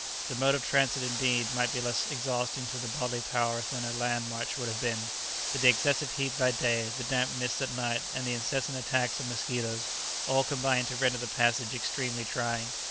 The mode of transit indeed might be less exhausting to the bodily powers than a land march would have been, but the excessive heat by day, the damp mists at night, and the incessant attacks of mosquitoes, all combined to render the passage extremely trying.